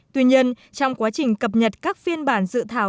tuy nhiên trong quá trình cập nhật các phiên bản dự thảo